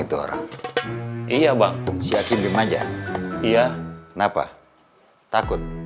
itu orang iya bang si akim aja iya